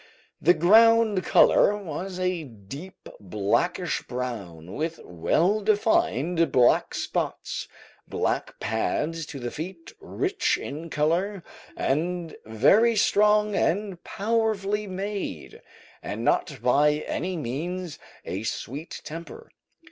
The ground colour was a deep blackish brown, with well defined black spots, black pads to the feet, rich in colour, and very strong and powerfully made, and not by any means a sweet temper.